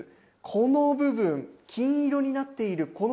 この部分金色になっている